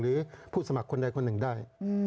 หรือผู้สมัครคนใดคนหนึ่งได้